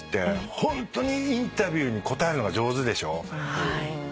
ホントにインタビューに答えるのが上手でしょ。